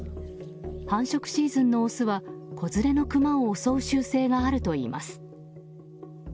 繁殖シーズンのオスは子連れのクマを襲う習性があるといいます。